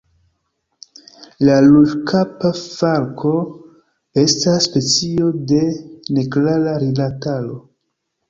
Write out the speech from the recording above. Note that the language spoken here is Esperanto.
La Ruĝkapa falko estas specio de neklara rilataro.